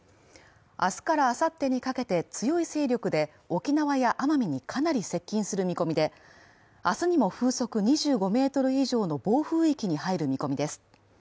明日からあさってにかけて強い勢力で沖縄や奄美にかなり接近する見込みで、明日にも風速２５メートル以上の暴風域に入る見込みです。